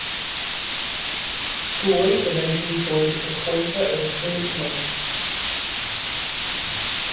Guiot eventually joined a cloister as a Cluniac monk.